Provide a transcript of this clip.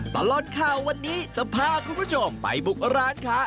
ตลอดข่าววันนี้จะพาคุณผู้ชมไปบุกร้านค้า